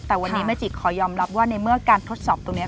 แต่วันนี้แม่จิขอยอมรับว่าในเมื่อการทดสอบตรงนี้